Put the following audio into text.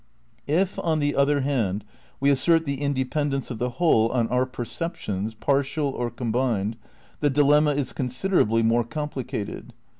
^ If, on the other hand, we assert the independence of the whole on our perceptions, partial or combined, the dilemma is considerably more complicated.